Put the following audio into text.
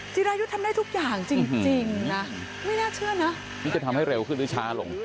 จิรายุทธ์ทำได้ทุกอย่างจริงนะไม่น่าเชื่อนะนี่จะทำให้เร็วขึ้นหรือช้าลง